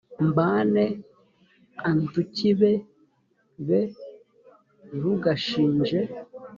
mbane a ntukibe b ntugashinje